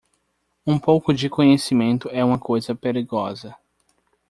Um pouco de conhecimento é uma coisa perigosa.